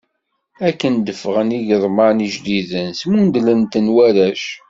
Akken d-ffɣen igeḍman ijdiden, smundlen-ten warrac.